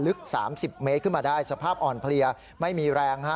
ลึก๓๐เมตรขึ้นมาได้สภาพอ่อนเพลียไม่มีแรงฮะ